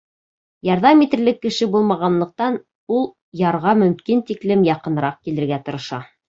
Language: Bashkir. Ярҙам итерлек кеше булмағанлыҡтан, ул ярға мөмкин тиклем яҡыныраҡ килергә тырышты.